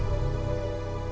ya ini tuh udah kebiasaan